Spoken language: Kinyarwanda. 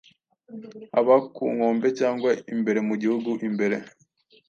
haba ku nkombe cyangwa imbere mu gihugu imbere.